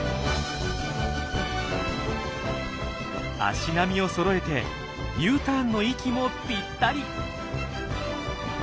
足並みをそろえてＵターンの息もぴったり。